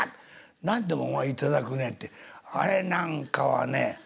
「何でもお前頂くね」ってあれなんかはね